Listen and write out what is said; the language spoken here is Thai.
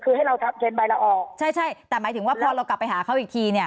คือให้เราเซ็นใบเราออกใช่ใช่แต่หมายถึงว่าพอเรากลับไปหาเขาอีกทีเนี่ย